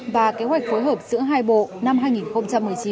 và kế hoạch phối hợp giữa hai bộ năm hai nghìn một mươi chín